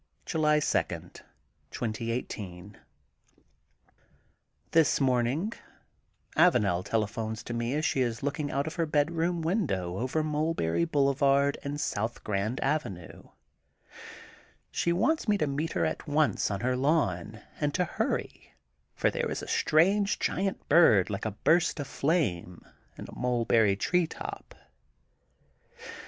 July 2, 2018: — This morning Avanel tele phones to me as she is looking out of her bedroom window over Mulberry Boulevard and South Grand Avenue, she wants me to meet her at once on her lawn and to hurry, for there is a strange giant bird like a burst of flame, in a mulberry treetop.